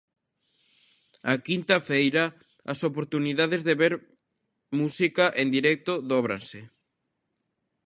A quinta feira, as oportunidades de ver música en directo dóbranse.